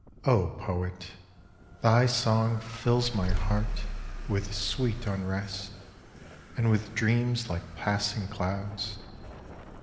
O poet, thy song fills my heart with sweet unrest and with dreams like passing clouds